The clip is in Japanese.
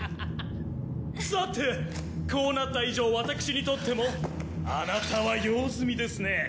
さてこうなった以上私にとってもあなたは用済みですね！